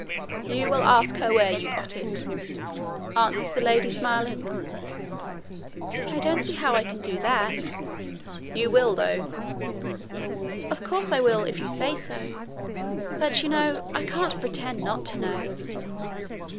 'You will ask her where you got it,' answered the lady smiling. 'I don't see how I can do that.' 'You will, though.' 'Of course I will, if you say so. But, you know, I can't pretend not to know.'